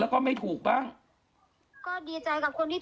แล้วก็ขอพ้อนก็คือหยิบมาเลยค่ะพี่หมดำ